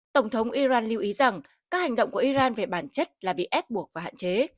tổng thống iran lưu ý rằng các hành động của iran về bản chất là bị ép buộc và hạn chế